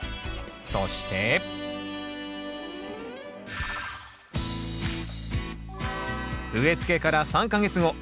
そして植え付けから３か月後。